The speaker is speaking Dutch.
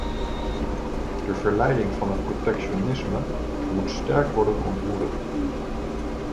De verleiding van het protectionisme moet sterk worden ontmoedigd.